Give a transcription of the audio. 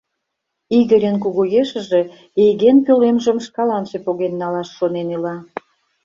Игорьын кугу ешыже Эйген пӧлемжым шкаланже поген налаш шонен ила...